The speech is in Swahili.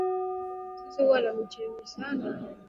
Sisi huwa na michezo sana